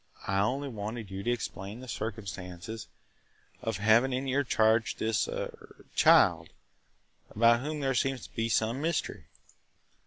I only wanted you to explain the circumstances of having in your charge this – er – child, about whom there seems to be some mystery."